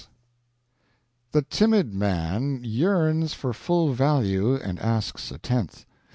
The timid man yearns for full value and asks a tenth.